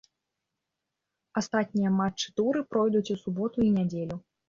Астатнія матчы туры пройдуць у суботу і нядзелю.